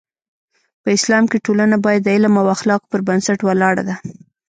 په اسلام کې ټولنه باید د علم او اخلاقو پر بنسټ ولاړه ده.